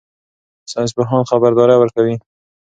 ساینس پوهان خبرداری ورکوي.